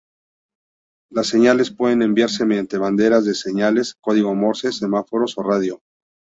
Las señales pueden enviarse mediante banderas de señales, código morse, semáforos o radio.